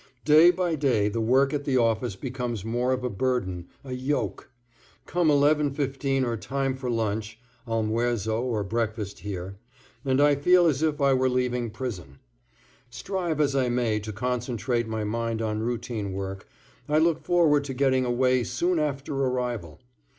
Day by day the work at the office becomes more of a burden, a yoke. Come 11:15 or time for lunch (almuerzo or breakfast here), and I feel as if I were leaving prison. Strive as I may to concentrate my mind on routine work I look forward to getting away soon after arrival.